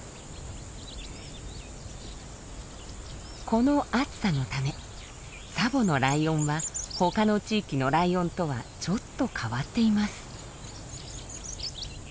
この暑さのためツァボのライオンは他の地域のライオンとはちょっと変わっています。